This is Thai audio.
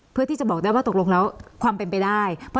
เพื่อที่จะบอกได้ว่าตกลงแล้วความเป็นไปได้